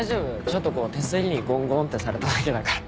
ちょっとこう手すりにゴンゴンってされただけだから。